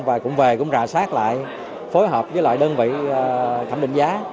và cũng về cũng rà soát lại phối hợp với lại đơn vị thẩm định giá